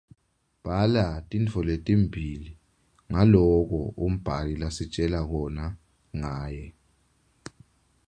Bhala tintfo letimbili ngaloko umbhali lasitjela kona ngaye.